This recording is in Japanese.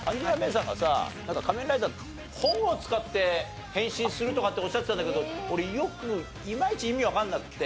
がさなんか仮面ライダー本を使って変身するとかっておっしゃってたんだけど俺よくいまいち意味わかんなくて。